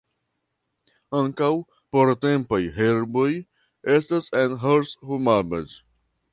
Ankaŭ portempaj herboj estas en Ras Muhammad.